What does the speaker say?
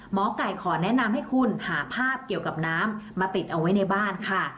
หมอไก่ขอแนะนำให้คุณหาภาพเกี่ยวกับน้ำมาติดเอาไว้ในบ้านค่ะ